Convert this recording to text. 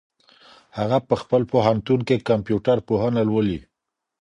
هغه په خپل پوهنتون کي کمپيوټر پوهنه لولي.